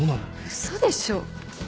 嘘でしょ。